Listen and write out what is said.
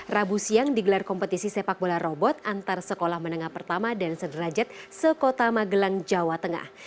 rabu siang digelar kompetisi sepak bola robot antar sekolah menengah pertama dan sederajat sekota magelang jawa tengah